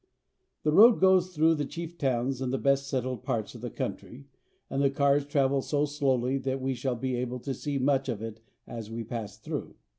The road goes through the chief towns and the best settled parts of the country, and the cars travel so slowly that we shall be able to see much of it as we pass through.